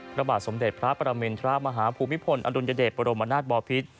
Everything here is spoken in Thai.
พระบาทสมเด็จพระประมินทรมาฮภูมิพลอดุลยเดชบรมนาศบอพิษ